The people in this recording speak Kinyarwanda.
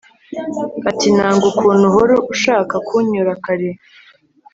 ati nanga ukuntu uhora ushaka kuncyura kare